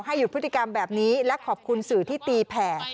หยุดพฤติกรรมแบบนี้และขอบคุณสื่อที่ตีแผ่